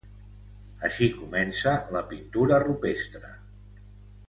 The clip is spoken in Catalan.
Així comença la pintura rupestre.